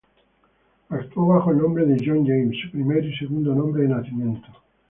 Actuó bajo el nombre de Jon James, su primer y segundo nombre de nacimiento.